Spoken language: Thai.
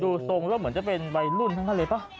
ดูตรงแล้วเหมือนจะเป็นวัยรุ่นกันเลยป่ะ